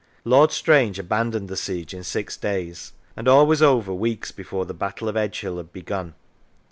Lord Strange abandoned the siege in six days, and all was over weeks before the Battle of Edgehill had begun.